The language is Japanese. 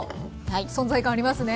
存在感ありますね。